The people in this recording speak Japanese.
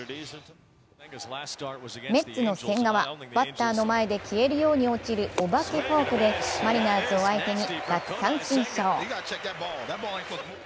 メッツの千賀はバッターの前で消えるように落ちるお化けフォークてマリナーズを相手に奪三振ショー。